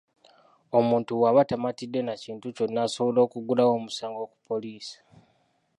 Omuntu bwaba tamatidde na kintu kyonna, asobola okuggulawo omusango ku poliisi.